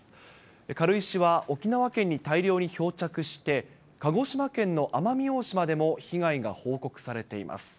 軽石は沖縄県に大量に漂着して鹿児島県の奄美大島でも被害が報告されています。